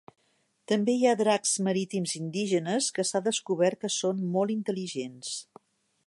També hi ha dracs marítims indígenes que s'ha descobert que són molt intel·ligents.